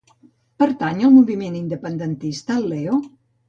Pertany al moviment independentista el Leo?